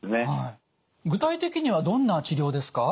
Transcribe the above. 具体的にはどんな治療ですか？